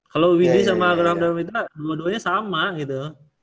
kalau widi sama abraham damar grahita dua duanya sama gitu